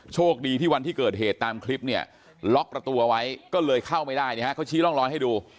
โชคดีที่วันที่เกิดเหตุตามคลิปเนี่ยล็อกประตูเอาไว้ก็เลยเข้าไม่ได้นะฮะเขาชี้ร่องรอยให้ดู